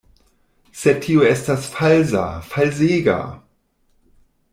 Sed tio estas falsa, falsega.